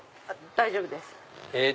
大丈夫です。